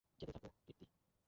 যেতে থাক, কীর্তি।